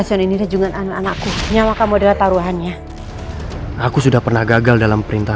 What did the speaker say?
sion ini dan juga anak anak nyawa kamu adalah taruhannya aku sudah pernah gagal dalam perintah